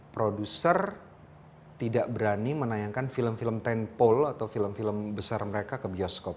produser tidak berani menayangkan film film tenpole atau film film besar mereka ke bioskop